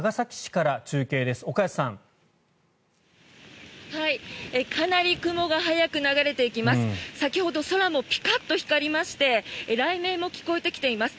かなり雲が速く流れていきます。